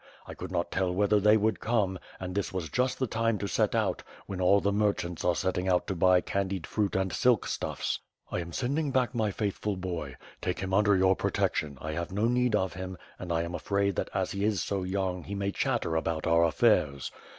I could not tell whether they would come, and this was just the time to set out, when all the merchants are setting out to buy candied fruits and silk stuffs. I am sending back my faithful boy. Take him under your protection; I have no need of him and I am afraid that as he is so young he may chatter about our affairs.